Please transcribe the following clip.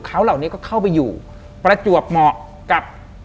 เขาเหล่านี้ก็เข้าไปอยู่ประจวบเหมาะกับ